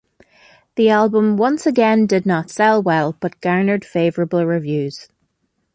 The album once again did not sell well but garnered favorable reviews.